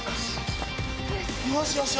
よし！